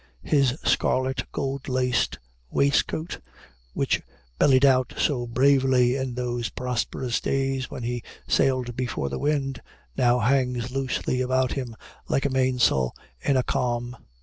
His scarlet gold laced waistcoat, which bellied out so bravely in those prosperous days when he sailed before the wind, now hangs loosely about him like a mainsail in a calm.